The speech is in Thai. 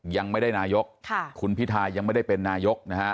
ยังไม่ได้นายกคุณพิทายังไม่ได้เป็นนายกนะฮะ